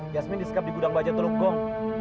yasmin disekap di gudang baja teluk gong